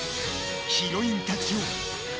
ヒロインたちよ